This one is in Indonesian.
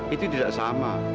itu tidak sama